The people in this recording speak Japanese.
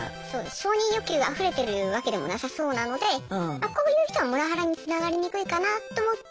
承認欲求があふれてるわけでもなさそうなのでまあこういう人はモラハラにつながりにくいかなと思って。